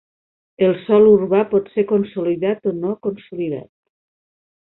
El sòl urbà pot ser consolidat o no consolidat.